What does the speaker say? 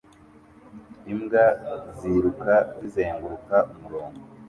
Imbwa ziruka zizenguruka umurongo